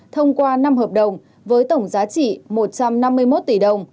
thông qua năm hợp đồng với tổng giá trị một trăm năm mươi